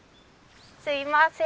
すいません。